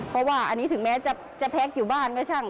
เพราะว่าอันนี้ถึงแม้จะแพ็คอยู่บ้านก็ช่าง